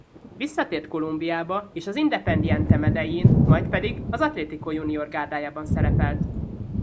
Visszatért Kolumbiába és az Independiente Medellín majd pedig az Atlético Junior gárdájában szerepelt.